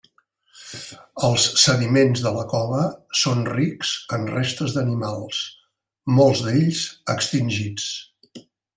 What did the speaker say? Els sediments de la cova són rics en restes d'animals, molts d'ells extints.